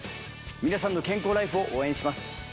皆さんの健康ライフを応援します。